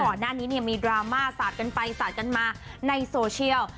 ก่อนหน้านี้เนี่ยมีดราม่าสาดกันไปสาดกันมาในโซเชียล